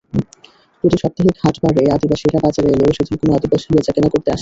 প্রতি সাপ্তাহিক হাটবারে আদিবাসীরা বাজারে এলেও সেদিন কোনো আদিবাসী বেচাকেনা করতে আসেনি।